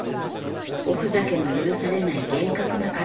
おふざけの許されない厳格な家庭で育った。